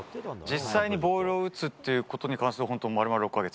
実際にボールを打つっていうことに関しては、本当、まるまる６か月。